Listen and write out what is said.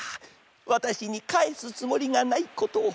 わたしにかえすつもりがないことを。